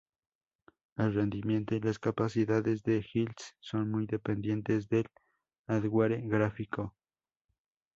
El rendimiento y las capacidades de glitz son muy dependientes del hardware gráfico.